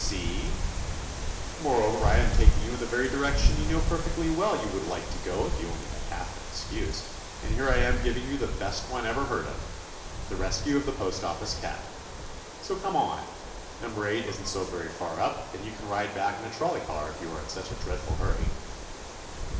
See? Moreover, I am taking you in the very direction you know perfectly well you would like to go if you only had half an excuse, and here I am giving you the best one ever heard of — the rescue of the postoffice cat. So come on. Number 8 is n't so very 96 TOMMY POSTOFFICE far up, and you can ride back in a trolley car if you are in such a dread ful hurry."